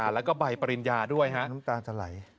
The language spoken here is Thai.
แล้วก็ใบปริญญาด้วยครับ